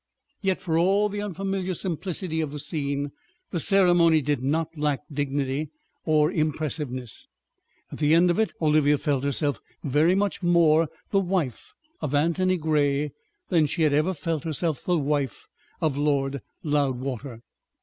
Yet, for all the unfamiliar simplicity of the scene, the ceremony did not lack dignity, or impressiveness. At the end of it Olivia felt herself very much more the wife of Antony Grey than she had ever felt herself the wife of Lord Loudwater.